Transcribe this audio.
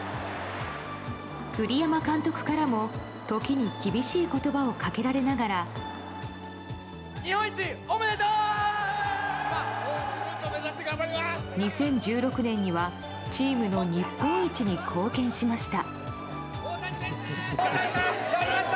栗山監督からも時に厳しい言葉をかけられながら２０１６年にはチームの日本一に貢献しました。